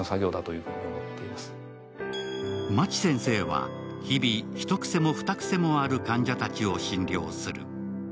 マチ先生は日々、一癖も二癖もある患者を診療する。